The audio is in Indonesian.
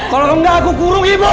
kalau enggak aku kurung ibu